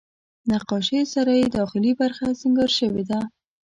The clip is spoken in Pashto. نقاشیو سره یې داخلي برخه سینګار شوې ده.